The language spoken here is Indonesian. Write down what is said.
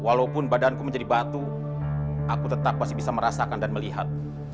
walaupun badanku menjadi batu aku tetap masih bisa merasakan dan melihat